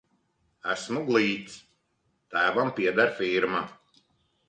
Esmu glīts, tēvam pieder firma.